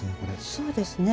そうですね。